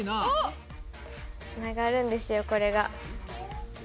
つながるんですよこれが。